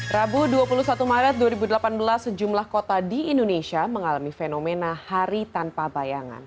rabu dua puluh satu maret dua ribu delapan belas sejumlah kota di indonesia mengalami fenomena hari tanpa bayangan